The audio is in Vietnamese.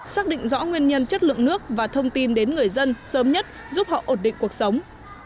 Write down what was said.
xác định rõ nguyên nhân chất lượng nước và thông tin đến người dân sớm nhất giúp họ ổn định cuộc sống